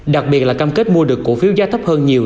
đặc biệt là cam kết mua được cổ phiếu giá thấp hơn nhiều